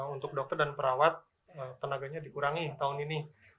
untuk dokter dan perawat tenaganya dikurangi tahun ini